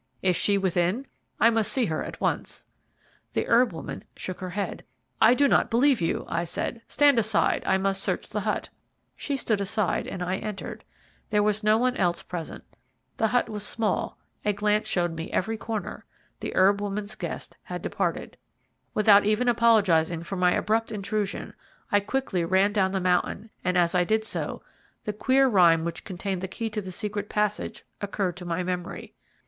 "Is she within? I must see her at once." The herb woman shook her head. "I do not believe you," I said; "stand aside I must search the hut." She stood aside, and I entered. There was no one else present. The hut was small, a glance showed me each corner the herb woman's guest had departed. Without even apologizing for my abrupt intrusion, I quickly ran down the mountain, and as I did so, the queer rhyme which contained the key to the secret passage occurred to my memory.